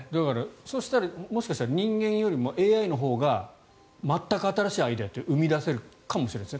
そしたら、もしかしたら人間よりもＡＩのほうが新しいアイデアを生み出せるかもしれませんね。